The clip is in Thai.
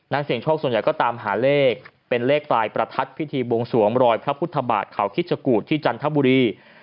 เสียงโชคส่วนใหญ่ก็ตามหาเลขเป็นเลขปลายประทัดพิธีบวงสวงรอยพระพุทธบาทเขาคิดชะกูธที่จันทบุรี